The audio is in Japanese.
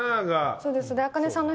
そうです。